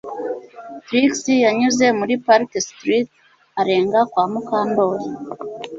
Trix yanyuze muri Park Street arenga kwa Mukandoli